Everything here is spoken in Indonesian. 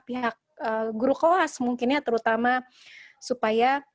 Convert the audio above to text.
pihak guru kohas mungkin ya terutama